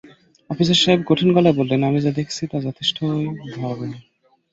আফসার সাহেব কঠিন গলায় বললেন, আমি যা দেখছি তা যথেষ্টই ভয়াবহ।